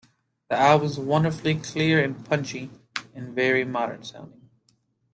The album's wonderfully clear and punchy, and very modern-sounding.